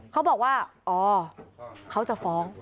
เขาบอกว่าอ๋อเขาจะฟ้อง